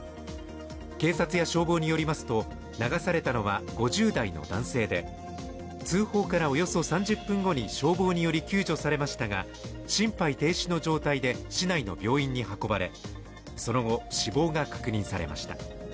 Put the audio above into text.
警察や消防によりますと流されたのは５０代の男性で、通報からおよそ３０分後に消防により救助されましたが心肺停止の状態で市内の病院に運ばれその後、死亡が確認されました。